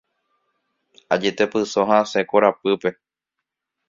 Ajetepyso ha asẽ korapýpe.